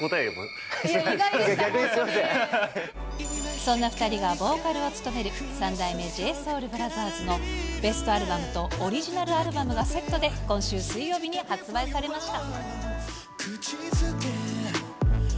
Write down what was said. そんな２人がボーカルを務める三代目ＪＳＯＵＬＢＲＯＴＨＥＲＳのベストアルバムとオリジナルアルバムがセットで、今週水曜日に発売されました。